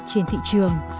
trên thị trường